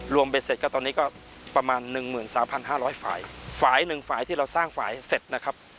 ไปเสร็จก็ตอนนี้ก็ประมาณหนึ่งหมื่นสามพันห้าร้อยฝ่ายหนึ่งฝ่ายที่เราสร้างฝ่ายเสร็จนะครับ